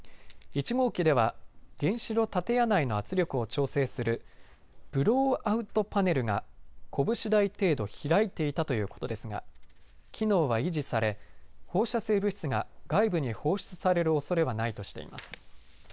１号機では原子炉建屋内の圧力を調整するブローアウトパネルがこぶし大程度開いていたということですが機能は維持され放射性物質が外部に放出されるおそれはないとしています。